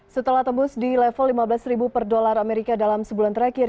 setelah tembus di level lima belas ribu per dolar amerika dalam sebulan terakhir